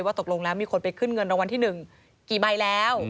ตกลงแล้วมีคนไปขึ้นเงินรางวัลที่๑กี่ใบแล้ว